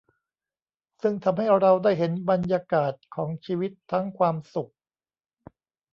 ซึ่งทำให้เราได้เห็นบรรยากาศของชีวิตทั้งความสุข